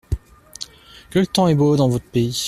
Que le temps est beau dans votre pays !